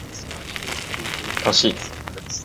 다시!